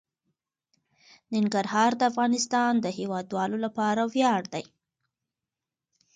ننګرهار د افغانستان د هیوادوالو لپاره ویاړ دی.